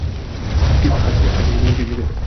আজ কি শিখেছো?